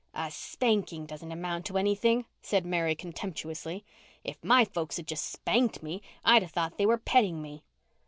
"A spanking doesn't amount to anything," said Mary contemptuously. "If my folks had just spanked me I'd have thought they were petting me.